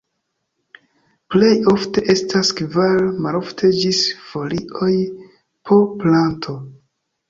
Plej ofte estas kvar, malofte ĝis folioj po planto.